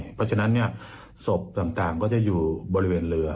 เพราะฉะนั้นศพต่างก็จะอยู่บริเวณเรือ